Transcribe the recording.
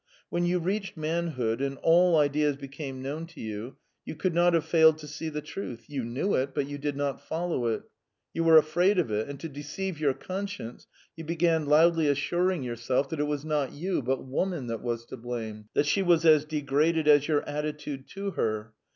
When you reached manhood and all ideas became known to you, you could not have failed to see the truth; you knew it, but you did not follow it; you were afraid of it, and to deceive your conscience you began loudly assuring yourself that it was not you but woman that was to blame, that she was as degraded as your attitude to her.